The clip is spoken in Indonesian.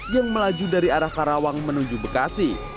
yang melaju dari arah karawang menuju bekasi